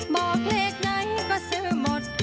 บอกเลขไหนก็ซื้อหมด